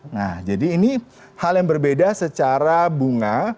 nah jadi ini hal yang berbeda secara bunga